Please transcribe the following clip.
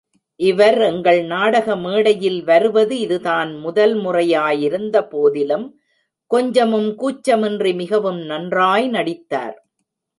இவர் எங்கள் நாடக மேடையில் வருவது இதுதான் முதல் முறையாயிருந்த போதிலும், கொஞ்சமும் கூச்சமின்றி மிகவும் நன்றாய் நடித்தார்.